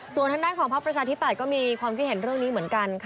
ส่วนทางด้านของพักประชาธิปัตย์ก็มีความคิดเห็นเรื่องนี้เหมือนกันค่ะ